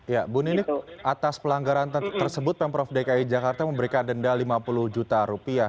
ya bu nini atas pelanggaran tersebut pemprov dki jakarta memberikan denda lima puluh juta rupiah